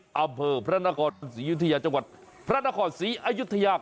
อำเภอพระนครศรียุธยาจังหวัดพระนครศรีอายุทยา